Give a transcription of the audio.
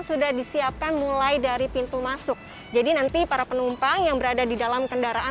sudah disiapkan mulai dari pintu masuk jadi nanti para penumpang yang berada di dalam kendaraan